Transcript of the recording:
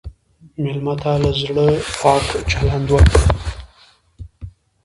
مېلمه ته له زړه پاک چلند وکړه.